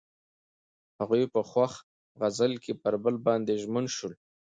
هغوی په خوښ غزل کې پر بل باندې ژمن شول.